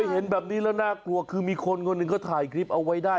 เห็นแบบนี้แล้วน่ากลัวคือมีคนคนหนึ่งเขาถ่ายคลิปเอาไว้ได้